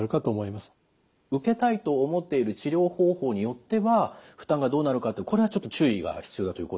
受けたいと思っている治療方法によっては負担がどうなるかってこれはちょっと注意が必要だという。